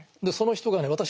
その人がね